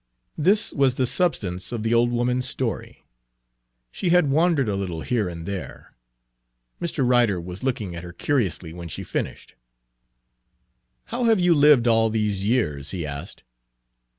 This was the substance of the old woman's story. She had wandered a little here and there. Mr. Ryder was looking at her curiously when she finished. "How have you lived all these years?" he asked.